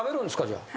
じゃあ。